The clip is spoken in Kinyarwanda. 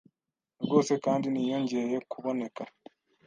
rwose kandi ntiyongeye kuboneka.